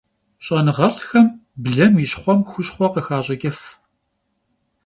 Ş'enığelh'xem blem yi şxhuem xuşxhue khıxaş'ıç'ıf.